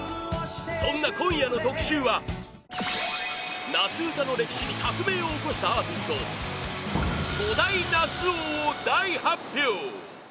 そんな今夜の特集は夏うたの歴史に革命を起こしたアーティスト５大夏王を大発表！